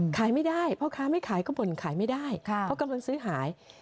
ขายไม่ได้พ่อค้าไม่ขายก็บ่นขายไม่ได้เพราะกำลังซื้อขาย